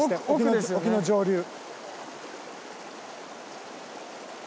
沖の上流。